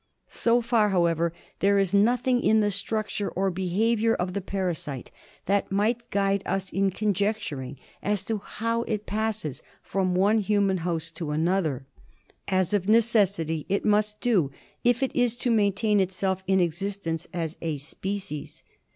So far, however, there is no thing in the structure or behaviour of the para site that might guide us in conjecturing as to f Bow it passes from one i human host to another as, of necessity, it must do if it is to maintain itself in existence as a species.